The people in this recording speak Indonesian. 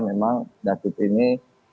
memang david ini